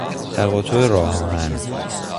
تقاطع راه آهن